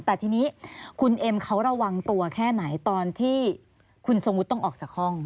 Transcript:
แต่ทีนี้คุณเอ็มเขาระวังตัวแค่ไหนตอนที่คุณทรงวุฒิต้องออกจากห้อง